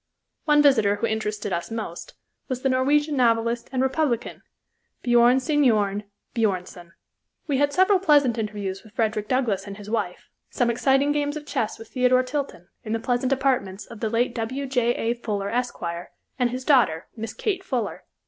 One visitor who interested us most was the Norwegian novelist and republican, Bjornstjorne Bjornson. We had several pleasant interviews with Frederick Douglass and his wife, some exciting games of chess with Theodore Tilton, in the pleasant apartments of the late W.J.A. Fuller, Esq., and his daughter, Miss Kate Fuller.